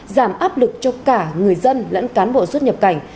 giảm áp lực cho cả người dân lẫn cán bộ xuất nhập cảnh